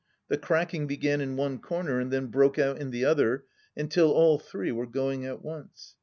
The cracking began in one corner and then broke out in the other, until all three were going at once.